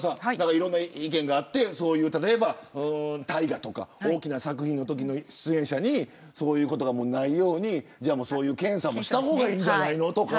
いろんな意見があって大河とか大きな作品の出演者にそういうことがないように検査もした方がいいんじゃないのとか。